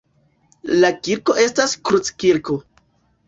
La kirko estas kruckirko.